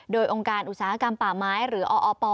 โดยองค์การอุตสาหกรรมป่าไม้หรือออป